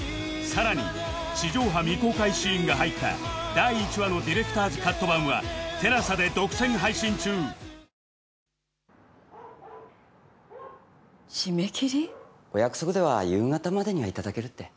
さらに地上波未公開シーンが入った第１話のディレクターズカット版は ＴＥＬＡＳＡ で独占配信中締め切り？お約束では夕方までには頂けるって。